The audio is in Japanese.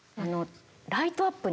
ライトアップに。